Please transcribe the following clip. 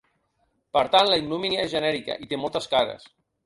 Per tant, la ignomínia és genèrica i té moltes cares.